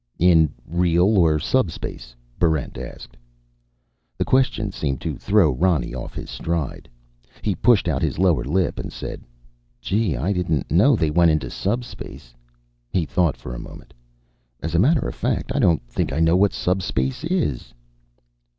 "In real or subspace?" Barrent asked. This question seemed to throw Ronny off his stride. He pushed out his lower lip and said, "Gee, I didn't know they went in subspace." He thought for a moment. "As a matter of fact, I don't think I know what subspace is."